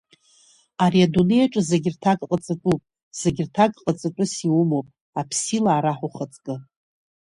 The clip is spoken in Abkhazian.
Ари адунеи аҿы зегьы рҭак ҟаҵатәуп, зегьы рҭак ҟаҵатәыс иумоуп, аԥсилаа раҳ ухаҵкы…